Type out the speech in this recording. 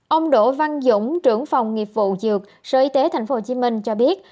ông đỗ văn dũng trưởng phòng nghiệp vụ dược sở y tế tp hcm cho biết